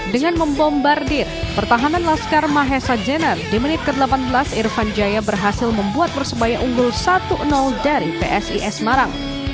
dengan membombardir pertahanan laskar mahesa jenner di menit ke delapan belas irfan jaya berhasil membuat persebaya unggul satu dari psis semarang